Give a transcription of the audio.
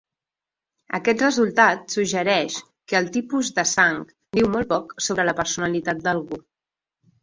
Aquest resultat suggereix que el tipus de sang diu molt poc sobre la personalitat d'algú.